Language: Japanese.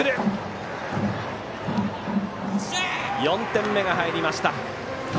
４点目が入りました。